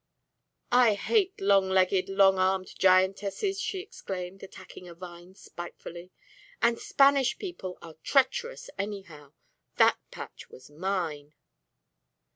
"I hate long legged long armed giantesses," she exclaimed, attacking a vine spitefully. "And Spanish people are treacherous, anyhow. That patch was mine."